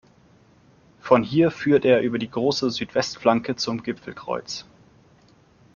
Von hier führt er über die große Südwestflanke zum Gipfelkreuz.